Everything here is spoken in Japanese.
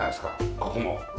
ここも。